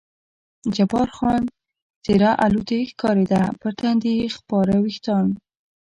جبار خان څېره الوتی ښکارېده، پر تندي یې خپاره وریښتان.